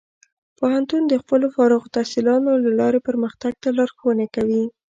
پوهنتون د خپلو فارغ التحصیلانو له لارې پرمختګ ته لارښوونه کوي.